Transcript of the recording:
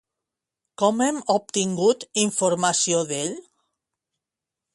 Com hem obtingut informació d'ell?